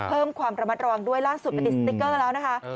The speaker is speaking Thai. เพิ่มความระมัดระวังด้วยล่าสุดไปติดสติ๊กเกอร์แล้วนะคะ